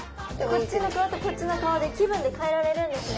こっちの顔とこっちの顔で気分で変えられるんですね。